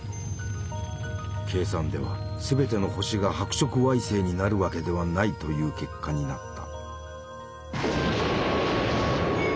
計算では全ての星が白色矮星になるわけではないという結果になった。